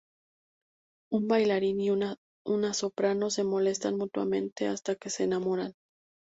Un bailarín y una soprano se molestan mutuamente hasta que se enamoran.